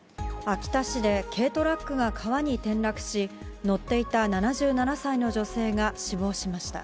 秋田市で軽トラックが川に転落し、乗っていた７７歳の女性が死亡しました。